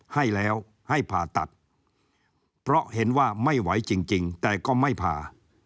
ให้แล้วให้ผ่าตัดเพราะเห็นว่าไม่ไหวจริงแต่ก็ไม่ผ่า